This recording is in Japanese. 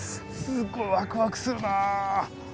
すごいワクワクするな。